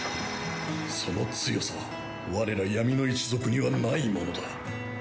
その強さは我ら闇の一族にはないものだ。